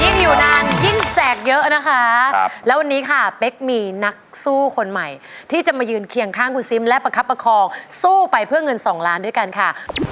อยู่นานยิ่งแจกเยอะนะคะแล้ววันนี้ค่ะเป๊กมีนักสู้คนใหม่ที่จะมายืนเคียงข้างคุณซิมและประคับประคองสู้ไปเพื่อเงินสองล้านด้วยกันค่ะ